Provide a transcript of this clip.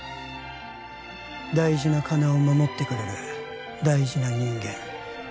大事な金を守ってくれる大事な人間